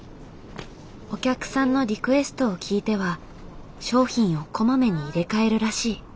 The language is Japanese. お客さんのリクエストを聞いては商品をこまめに入れ替えるらしい。